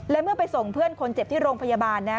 และเมื่อไปส่งเพื่อนคนเจ็บที่โรงพยาบาลนะ